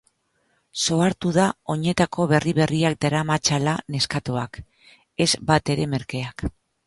S. ohartu da oinetako berri-berriak daramatzala neskatoak, ez batere merkeak.